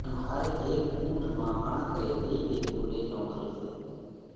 ان هر هيڪ اُونٺ مانه ڪڻڪ ري ٻي ٻي ٻوري نوکل سئہ۔